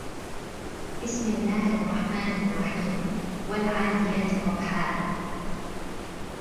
بِسمِ اللَّهِ الرَّحمنِ الرَّحيمِ وَالعادِياتِ ضَبحًا